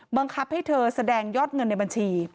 บังคับให้เธอแสดงยอดเงินในบัญชี